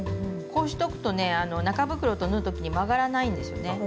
こうしとくとね中袋と縫うときに曲がらないんですよね。